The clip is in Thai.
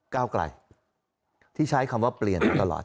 ก้าวไกลที่ใช้คำว่าเปลี่ยนมาตลอด